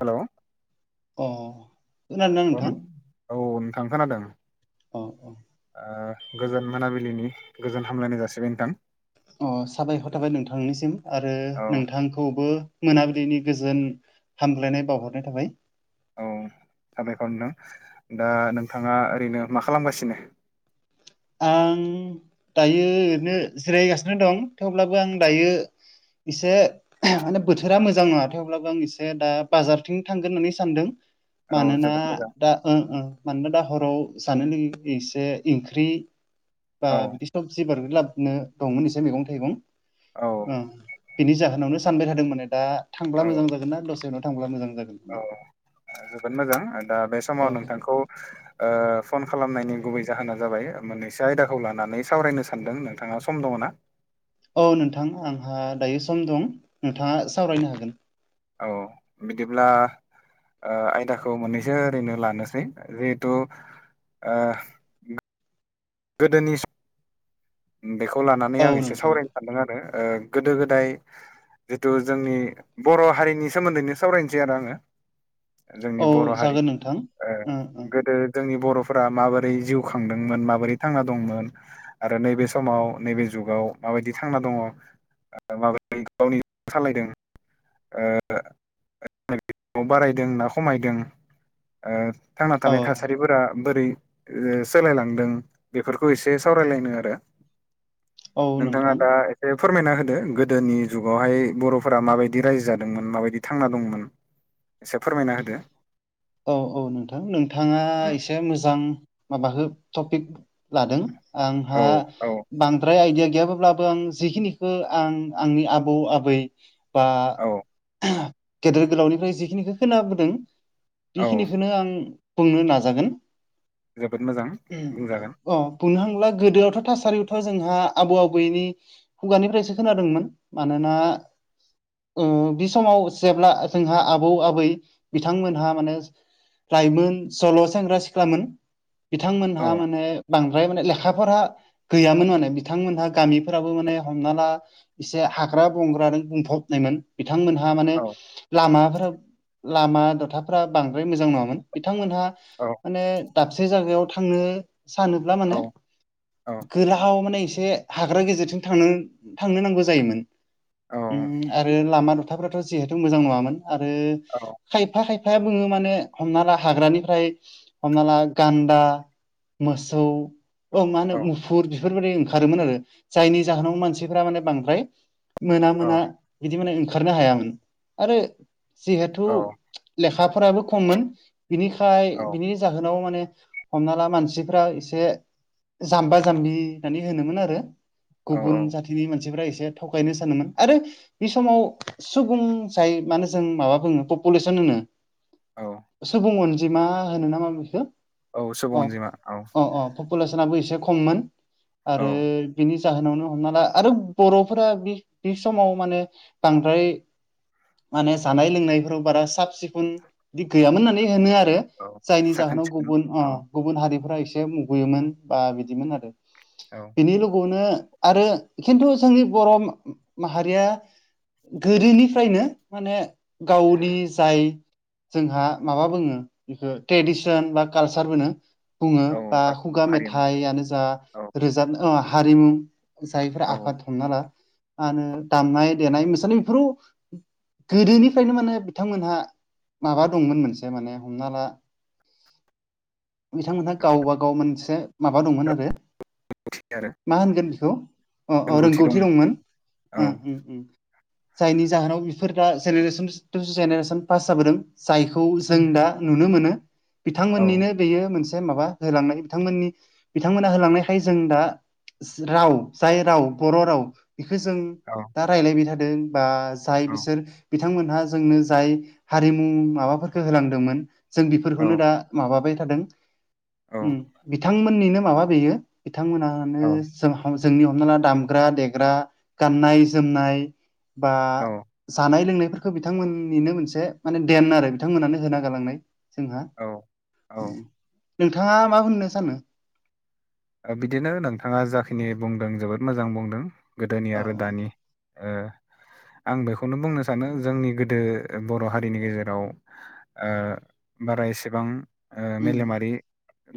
Hello अ खोनादोंना नोंथां [unintelligible] औ औ नोंथां खोनादों। अ अ ओ गोजोन मोनाबिलिनि गोजोन हामलायनाय जासिबाय नोंथां। अ साबायखर थाबाय नोंथांनिसिम आरो औ नोंथांखौबो मोनाबिलिनि गोजोन हामग्लायनाय बावहरनाय थाबाय। औ साबायखर नोंथां दा नोंथाङा ओरैनो मा खालामगासिनो? आं दायो ओरैनो जिरायगासिनो दं थेवब्लाबो आं दायो इसे माने बोथोरा मोजां नङाथाय अवब्लाबो आं एसे दा बाजारथिं थांगोन होननानै सानदों। औ मानोना जोबोद मोजां दा मानोना दा हराव जानो लागैयो एसे ओंख्रि बा औ बिदि सबजि [unintelligible] लाबनो दंमोन इसै मैगं थाइगं। औ ओ बेनि जाहोनावनो सानबाय थादों माने दा औ थांब्ला मोजां जागोन ना दसे उनाव थांब्ला मोजां जागोन? औ जोबोद मोजां दा बे औ समाव नोंथांखौ फन खालामनायनि गुबै जाहोना जाबाय मोननैसो आयदाखौ लानानै सावरायनो सानदों नोंथाङा सम दङ ना? औ नोंथां आंहा दायो सम दं नोंथाङा सावरायनो हागोन। औ बिदिब्ला ओ आयदाखौ मोननैसो ओरैनो लानोसै जिहेथु ओ गोदोनि बेखौ लानानै औ आं एसे नोंथां सावरायनो सानदों आरो ओ गोदो गोदाय जिथु जोंनि बर' हारिनि सोमोन्दैनो सावरायनोसै आरो आङो। जोंनि औ बर' हारि जागोन नोंथां ओ ओं गोदो जोंनि बर'फोरा माबोरै जिउ खांदोंमोन माबोरै थांना दंमोन आरो नैबे समाव नैबे जुगाव माबायदि थांना दङ माबोरै गावनि सालायदों [unintelligible] बारायदों ना खमायदों ओ थांना थानाय ओं थासारिफोरा बोरै सोलायलांदों बेफोरखौ एसे सावरायलायनो आरो औ नोंथाङा नोंथां दा एसे फोरमायना होदो गोदोनि जुगावहाय बर'फोरा माबाय बिदि रायजो जादोंमोन माबायदि थांना दंमोन एसे फोरमायना होदो। औ औ नोंथां नोंथाङा उम एसे मोजां माबाख टपिक लादों। औ आंहा औ बांद्राय आइदिया गैयाब्लाबो आं जिखिनिखौ आं आंनि आबौ आबै बा औ गेदेर गोलावनिफ्राय जिखिनिखौ खोनाबोदों औ बेखिनिखौनो आं बुंनो नाजागोन। जोबोद मोजां अ बुंजागोन बुंनो हांला गोदोआवथ' थासारियावथ' जोंहा आबौ आबैनि खुगानिफ्रायसो खोनादोंमोन मानोना बि समाव जेब्ला जोंहा आबौ आबै बिथांमोनहा माने लाइमोन सल' सेंग्रा सिख्लामोन औ बिथांमोनहा माने बांद्राय माने लेखाफोरहा गैयामोन माने बिथांमोनहा गामिफोरावबो माने हमना ला एसे हाग्रा बंग्रा नों बुंफबनायमोन। बिथांमोनहा माने औ लामाफोर लामा दथाफ्रा बांद्राय मोजां नङामोन बिथांमोनहा औ माने दाबसे जायगायाव थांनो सानोब्ला औ माने औ गोलाव माने एसे हाग्रा गेजेरजों थांनो थांनो नांगौ जायोमोन, उम आरो लामा दथा जिहेथु मोजां नङामोन आरो औ खायफा खायफा, फाया बुङो माने हमना ला हाग्रानिफ्राय हमना ला गान्दा मोसौ अ मा होनो औ मुफुर बेफोरबायदि ओंखारोमोन आरो जायनि जाहोनाव मानसिफोरा माने बांद्राय मोना मोना बिदि माने ओंखारनो हायामोन आरो जिहेथु औ लेखाफोराबो खममोन बिनिखाय बिनि जाहोनाव माने हमना ला मानसिफ्रा एसे जाम्बा जाम्बि होननानै होनोमोन आरो औ गुबुन जाथिनि मानसिफ्रा एसे थगायनो सानोमोन आरो बे समाव सुबुं जाय मानो जों माबा बुङो पपुलेसन होनो औ सुबुं अनजिमा होनो नामा बेखो औ सुबुं अ अनजिमा औ अ अ पुलेसनाबो एसे खममोन औ आरो बिनि जाहोनावनो हमना ला आरो बर'फोरा बे समाव माने बांद्राय, माने जानाय लोंनायफोराव बारा साफ सिब गुबुन बिदि गैयामोन होननानै होनो आरो औ जायनि साखोन जाहोनाव सिखोन गुबुन अ औ गुबुन हारिफ्रा एसे मुगैयोमोन बा बिदिमोन आरो औ बिनि लोगोआवनो आरो खिन्थु जोंनि बर' माहारिया, गोदोनिफ्रायनो माने गावनि जाय जोंहा माबा बुङो बेखौ ट्रेडिसन बा कालसार होनो बुङो औ बा हारिमु खुगा हारिमु मेथाइयानो जा औ रोजाबनो हारिमु जायफ्रा औ आफाद हमना ला मा होनो दामनाय देनाय मोसानाय बेफोराव गोदोनिफ्रायनो माने बिथांमोनहा माबा दंमोन मोनसे माने हमना ला, बिथांमोनहा गावबा गाव मोनसे माबा दंमोन आरो आरो मा होनगोन बेखौ अ अ रोंगौथि दंमोन औ जायनि जाहोनाव before the generation to generation pass जाबोदों जायखौ औ जों दा नुनो मोनो औ बिथांमोननिनो बेयो मोनसे माबा होलांनाय बिथांमोननि बिथांमोना होलांनायखाय जों दा राव जाय राव बर' राव बेखो जों औ दा रायलायबाय थादों बा जाय बिसोर बिथांमोनहा जोंनो जाय हारिमु उम माबाफोरखौ होलांदोंमोन जों औ बेफोरखौनो दा माबाबाय थादों औ उम, बिथांमोननिनो माबा बेयो बिथांमोनानो औ जों जोंनि हमना ला दामग्रा देग्रा गाननाय जोमनाय, बा औ जानाय लोंनायफोरखौ बिथांमोननिनो मोनसे माने देन आरो बिथांमोनानो होना गालांनाय जोंहा औ नोंथाङा मा होननो सानो? बिदिनो नोंथाङा जाखिनि बुंदों जोबोद मोजां बुंदों गोदोनि औ आरो दानि ओ आं बेखौनो बुंनो सानो जोंनि गोदो बर' हारिनि गेजेराव ओ बारा एसेबां ओ उम मेलेमारि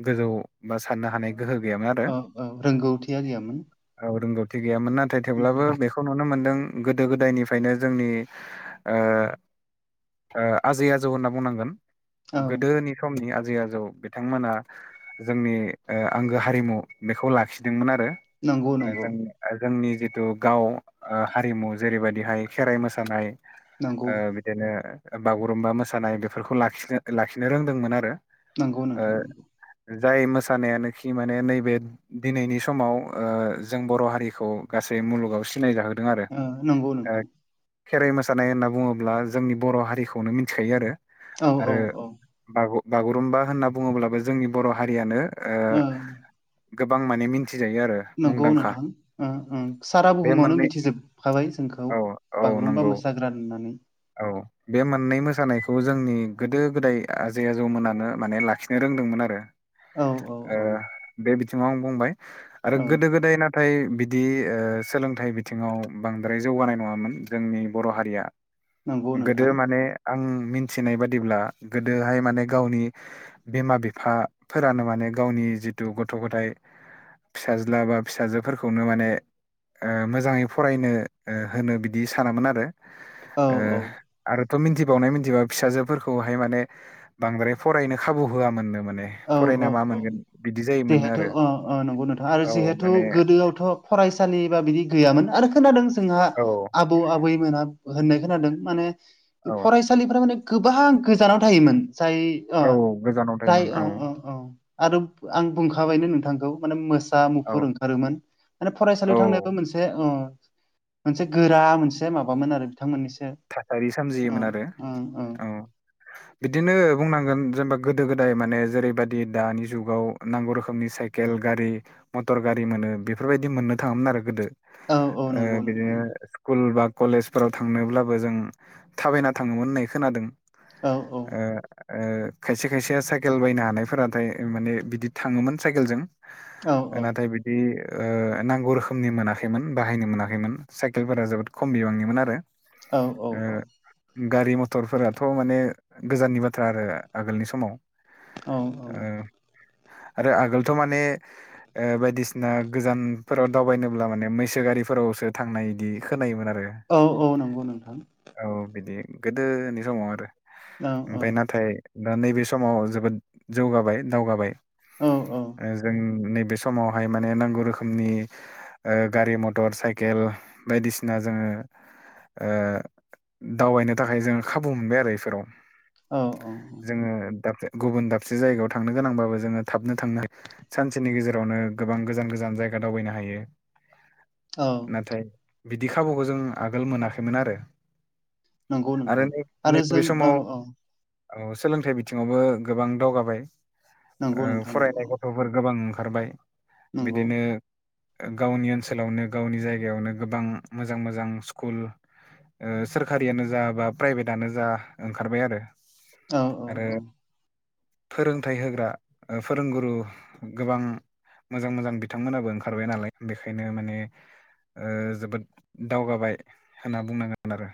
गोजौ बा साननो हानाय, गोहो गैयामोन आरो औ औ रोंगौथिया गैयामोन औ रोंथि गैयामोन नाथाय उम थेवब्लाबो बे खौ नुनो मोनदों गोदो गोदायनिफ्रायनो जोंनि ओ ओ आजै आजौ होनना बुंनांगोन, औ गोदोनि समनि आजै आजौ बिथांमोना जोंनि आंगो हारिमु बेखौ लाखिदोंमोन आरो नंगौ नंगौ जों जोंनि जिथु गाव हारिमु जेरैबायदिहाय खेराइ मोसानाय नंगौ बिदिनो बागुरुमबा मोसानाय बेफोरखौखिनो लाखिनो रोंदोंमोन आरो नांगौ ओ नोंथाङा नांगौ जाय मोसानायानोखि माने नैबे दिनैनि समाव जों बर' हारिखौ गासै मुलुगाव सिनाय जाहोदों ओ नंगौ [unintelligible] ओ नोंथां खेराइ मोसानाय होनना बुङोब्ला जोंनि बर' हारिखौनो मिथिखायो आरो औ औ आरो औ बागुरुम्बा होनना बुङोब्लाबो जोंनि बर' हारियानो ओ औ गोबां माने मिथिजायो आरो नंगौ मुंदांखा नोंथां उम उम सारा बे बुहुमावनो मोननै मिथिजोबखाबाय जोंखौ औ औ बागुरुमबा नंगौ मोसाग्रा होननानै, औ बे मोननै मोसानायखौ जोंनि गोदो गोदाय आजै आजौमोनानो माने लाखिनो रोंदोंमोन आरो औ औ औ बे बिथिङाव आं बुंबाय आरो औ गोदो गोदायना नाथाय बिदि सोलोंथाइ बिथिङाव बांद्राय जौगानाय नङामोन जोंनि बर' हारिया नंगौ गोदो नोंथां माने आं मिथिनाय बादिब्ला गोदोहाय माने गावनि बिमा बिफाफोरानो माने गावनि जिथु गथ' गथायाइ फिसाज्ला बा फिसाजोफोरखौनो माने मोजाङै फरायनो होनो बिदि सानामोन आरो औ औ आरो थ' मिन्थिबावनाय मिन्थिबा फिसाजोफोरखौहाय माने बांद्राय फरायनो खाबु होआमोननो माने फरायना मा मोनगोन बिदि जायोमोननो जेहेथु आरो अ नंगौ नोंथ' आरो औ जिहेथु माने गोदोआवथ' फरायसालि बा बिदि गैयामोन आरो खोनादों जोंहा औ ब आबैमोना होननाय खोनादों मान औ फ थानसालिफ्रा माने गोबां गोजानाव थायोमोन जाय औ गोजानाव थायोमोन औ औ आरो आं बुंखाबायनो नोंथांखौ माने मोसा मुफुर औ ओंखार आरोमोन माने औ फरायसालियाव थांनायाबो मोनसे मोनसे गोरा मोनसे माबामोन आरो बिथांमोननिसो थासारि सोमजियोमोन ओं आरो ओं ओं औ बिदिनो बुंनांगोन जेनेबा गोदो गोदाय माने जेरैबादि दानि जुगाव नांगौ रोखोमनि स केेल गारि मटर गारि मोनो बेफोरबायदि मोननो थाङोमोन आरो गोदो औ औ नंगौ बिदिनो नोंथां स्कुल बा कलेजफोराव थांनोब्ला जों थाबायना थाङोमोन होननाय खोनादों औ औ ओ ओ खायसे खायसेया साइकेल बायनो हानायफोराथाय माने बिदि थाङोमोन साइकेलजों औ औ नथायाय बि बि नांगौ रोखोमनि मोनाखैमोन बाहायनो मोनाखैमोन साइकेलफोरा जोबोद खम बिबांनिमोन आरो औ गारि मथरफोराथ' माने गोजाननि बाथ्रा आरो आगोलनि समाव औ औ आरो आगोलथ' माने बायदिसिना गोजानफोराव दावबायनोब्ला माने मैसो गारिफोरावसो थांनाय बिदि खोनायोमोन आरो औ औ नंगौ नोंथां औ बिदि गोदोनि समाव आरो औ ओमफफ्राय नाथाय दा नैबे समाव जोबोद जौगाबाय दावगाबाय औ जों नैबे सम समावहाय माने नांगौ रोखोमनि गारि मथर साइकेल बायदिसिना जोङो दावबायनो थाखाय जोङो खाबु मोनबाय आरो बेफोराव औ जोंङो दा गुबुन दाबसे जायगायाव थांनो गोनांबाबो जोंङो थाबनो थांनोहियो‌ सानसेनि गेजेरावनो गोबां गोजान गोजान जायगा दावबायनो हायो। औ नाथाय बिदि खाबुखौ जों आगोल मोनाखैमोन आरो नंगौ आरो नोंथां नैबे आरो बे जों समाव औ औ औ सोलोंथाइ बिथिङावबो गोबां दावगाबाय नंगौ नोंथां फरायनाय नंगौ ओ गथ' फोरफोर गोबां ओंखारबाय नंगौ बिदिनो गावनि ओनसोलावनो गावनि जायगायावनो गोबां मोजां मोजां स्कुल सोरखारियानो जा बा प्राइभेटनो जा ओंखारबाय आरो औ औ आरो औ फोरोंथाइ होग्रा फोरोंगुरु गोबां मोजां मोजां बिथांमोनाबो ओंखारबाय नालाय बेखायनो माने ओ जोबोद दावगाबाय होनना बुंनांगोन आरो।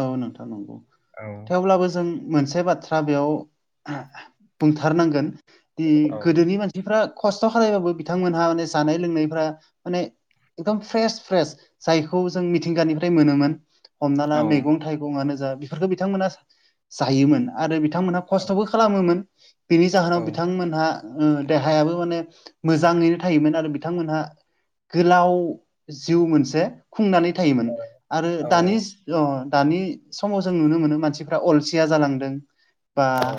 औ नोंथां नंगौ औ थेवब्लाबो जों मोनसे बाथ्रा बेयाव बुंथारनांगोन। दि औ गोदोनि मानसिफ्रा खस्थ' खालायबाबो बिथांमोनहा माने जानाय लोंनायफ्रा माने एकदम फ्रेस फ्रेस जायखौ जों मिथिंगानिफ्राय मोनोमोन। हमना ला औ मैगं थाइगंनो जा बेफोरफोरखौ बिथांमोना जायोमोन आरो बिथांमोनहा खस्थ'बो खालामोमोन बिनि औ जाहोनाव बिथांमोनहा देहायाबो माने मोजाङैनो थायोमोन आरो बिथांमोनहा गोलाव जिउ मोनसे खुंनानै थायोमोन आरो औ दानि दानि समाव जों नुनो मोनो मानसिफ्रा अलसिया जालांदों बा औ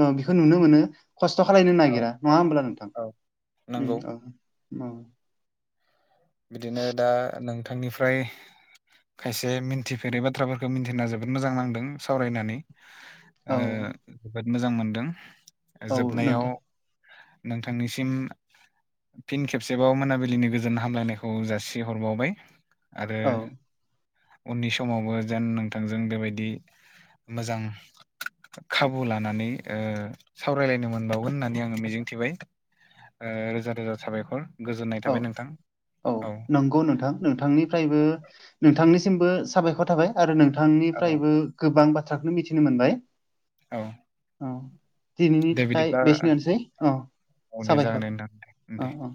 ओ बेखौ नुनो मोनो खस्थ' खालायनो औ नागिरा नङा होमब्ला नोंथां औ नंगौ औ। औ बिदिनो दा नोंथांनिफ्राय खायसे मिन्थिफेरै बाथ्राफोरखौ मिन्थिना जोबोद मोजां नांदों सावरायनानै औ जोबोद मोजां मोनदों औ जोबनायाव नोंथां नोंथांनिसिम फिन खेबसेबाव मोनाबिलिनि गोजोन हामलायनाय खौ जासि हरबावबाय आरो औ उननि समावबो जेन नोंथांजों बेबायदि मोजां खाबु लानानै ओ सावरायलायनो मोनबावगोन होननानै आङो मिजिंथिबाय ओ रोजा रोजा साबायखर गोजोननाय औ थाबाय नोंथां। औ नंगौ नोंथां नोंथांनिफ्रायबो नोंथांनिसिमबो साबायखर थाबाय। आरो औ नोंथांनिफ्रायबो गोबां बाथ्राखौनो मिथिनो मोनबाय। औ अ दिनैनि दे थाखाय बिदिब्ला बेसेनसै अ औ दे जागोन साबायखर दे नोंथां दे ओ ओ।